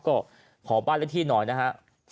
ก็ขอบ้านเลขที่หน่อยนะฮะ